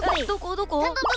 どこ？